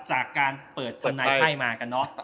จากการเปิดทำนายท์ให้มานะ